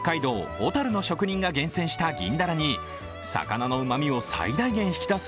小樽の職人が厳選した銀だらに魚のうまみを最大限引き出す